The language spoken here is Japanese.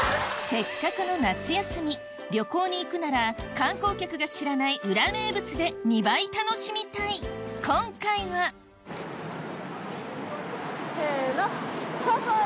せっかくの夏休み旅行に行くなら観光客が知らない裏名物で２倍楽しみたい今回はせの。